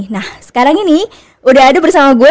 nah sekarang ini udah adu bersama gue